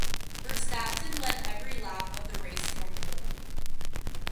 Verstappen led every lap of the race from pole.